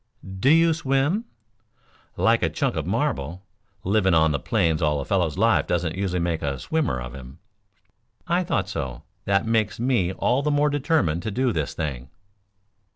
"Do you swim?" "Like a chunk of marble. Living on the plains all a fellow's life doesn't usually make a swimmer of him." "I thought so. That makes me all the more determined to do this thing."